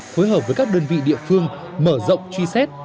phối hợp với các đơn vị địa phương mở rộng truy xét